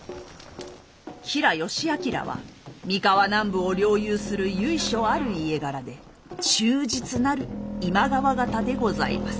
吉良義昭は三河南部を領有する由緒ある家柄で忠実なる今川方でございます。